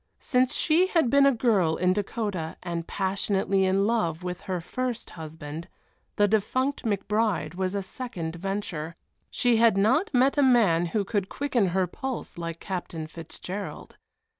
Since she had been a girl in Dakota and passionately in love with her first husband the defunct McBride was a second venture she had not met a man who could quicken her pulse like Captain Fitzgerald.